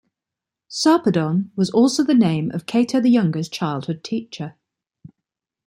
Sarpedon was also the name of Cato the Younger's childhood teacher.